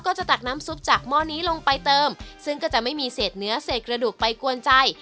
ตักน้ำซุปจากหม้อนี้ลงไปเติมซึ่งก็จะไม่มีเศษเนื้อเศษกระดูกไปกวนใจ